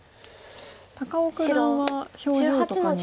高尾九段は表情とかには。